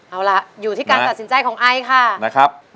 เอาล่ะอยู่ที่การตัดสินใจของไอค่ะนะครับ